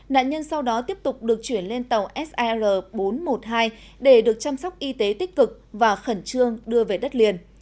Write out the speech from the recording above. nạn nhân sau đó tiếp tục được chuyển lên tàu sir bốn trăm một mươi hai để được chăm sóc y tế tích cực và khẩn trương đưa về đất liền